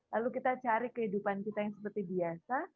lalu kita cari kehidupan kita yang seperti biasa